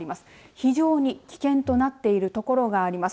非常に危険となっている所があります。